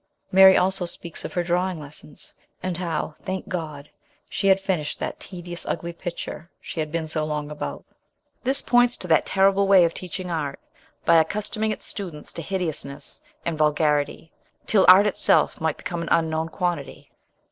Mary also speaks of her drawing lessons, and how (thank God !) she had finished " that tedious, ugly picture " she had been so long about. This points to 8 * 116 MRS. SHELLEY. that terrible way of teaching Art, by accustoming its students to hideousness and vulgarity, till Art itself might become an unknown quantity.